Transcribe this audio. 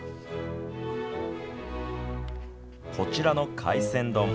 こちらの海鮮丼。